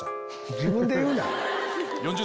自分で言うな！